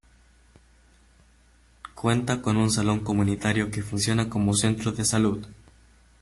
Cuenta con un salón comunitario que funciona como centro de salud.